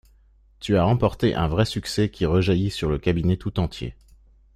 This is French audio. Tu as remporté un vrai succès qui rejaillit sur le cabinet tout entier.